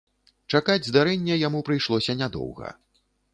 Чакаць здарэння яму прыйшлося нядоўга.